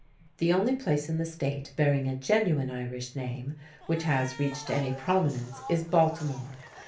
The only place in the State bearing a genuine Irish name which has reached any prominence is Baltimore.